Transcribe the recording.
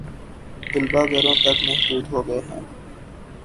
طلبا گھروں تک محدود ہو گئے ہیں